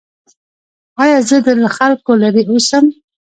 ایا زه له خلکو لرې اوسم؟